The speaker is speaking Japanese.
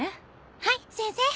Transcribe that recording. はい先生！